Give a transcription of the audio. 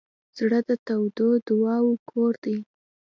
زړه د تودو دعاوو کور دی.